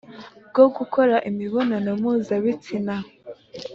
Bwo gukora imibonano mpuzabitsina